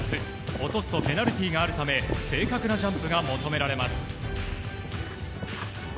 落とすとペナルティーがあるため正確なジャンプが求められます。